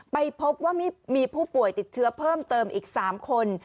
ไปพบว่ามีผู้ป่วยติดเชื้อเพิ่มเติมอีก๓คน